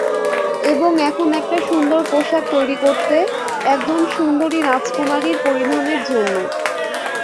এবং এখন একটা সুন্দর পোশাক তৈরি করতে, একজন সুন্দরী রাজকুমারীর পরিধানের জন্য।